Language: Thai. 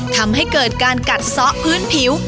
ทำให้เกิดการกัดซ้อพื้นผิว